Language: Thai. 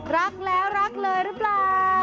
รักแล้วรักเลยหรือเปล่า